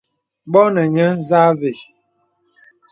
Bɔ nə̀ nyə̄ nzâ və̀.